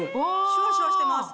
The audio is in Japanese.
シュワシュワしてます。